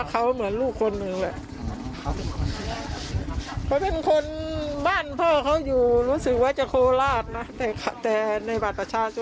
เขาคงจะทะเลาะกันวิหวานอะเนาะไม่รู้